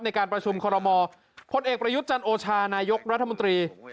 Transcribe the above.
ในการประชุมคอรมอลพลเอกประยุทธ์จันโอชานายกรัฐมนตรี